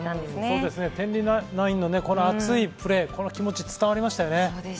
天理ナインの熱いプレー、この気持ちは伝わりましたよね。